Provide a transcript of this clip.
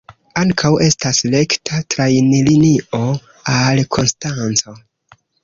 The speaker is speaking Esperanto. Ankaŭ estas rekta trajnlinio al Konstanco.